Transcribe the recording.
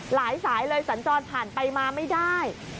สายเลยสัญจรผ่านไปมาไม่ได้